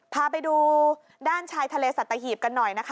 พาไปดูด้านชายทะเลสัตหีบกันหน่อยนะคะ